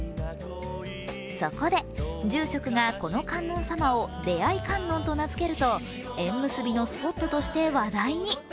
そこで住職がこの観音様をであい観音と名付けると縁結びのスポットとして話題に。